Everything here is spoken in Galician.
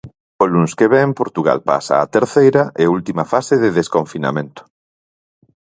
O luns que vén Portugal pasa á terceira e última fase de desconfinamento.